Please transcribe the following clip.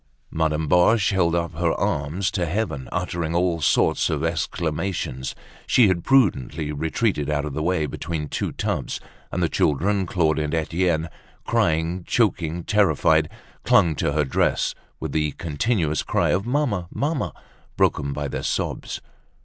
Madame Boche held up her arms to heaven, uttering all sorts of exclamations. She had prudently retreated out of the way between two tubs; and the children, Claude and Etienne, crying, choking, terrified, clung to her dress with the continuous cry of "Mamma! Mamma!" broken by their sobs.